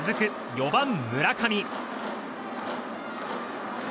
４番、村上。